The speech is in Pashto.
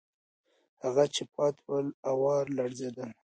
هغه چې پاتې ول، آوار لړزېدل.